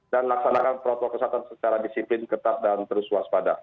dan laksanakan protokol kesehatan secara disiplin ketat dan terus waspada